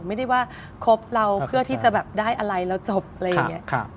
ไม่ได้ว่าคบเราเพื่อที่จะแบบได้อะไรเราจบอะไรอย่างนี้